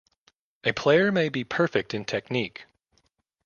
A player may be perfect in technique.